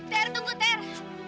ter tunggu ter